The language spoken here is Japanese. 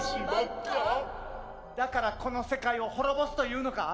だからこの世界を滅ぼすというのか？